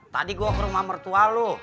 tadi gue ke rumah mertua lo